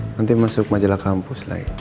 nanti masuk majalah kampus lagi